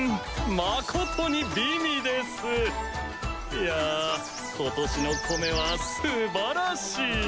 いやあ今年の米は素晴らしい！